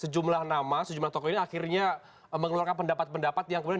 sejumlah nama sejumlah tokoh ini akhirnya mengeluarkan pendapat pendapat yang kemudian